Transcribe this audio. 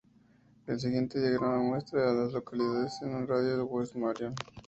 El siguiente diagrama muestra a las localidades en un radio de de West Marion.